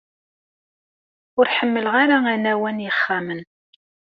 Ur ḥemmleɣ ara anaw-a n yixxamen.